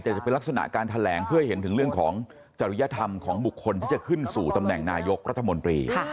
แต่จะเป็นลักษณะการแถลงเพื่อให้เห็นถึงเรื่องของจริยธรรมของบุคคลที่จะขึ้นสู่ตำแหน่งนายกรัฐมนตรี